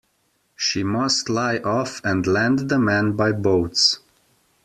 She must lie off and land the men by boats.